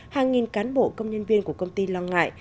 hàng nghìn cán bộ công nhân viên của công ty lo ngại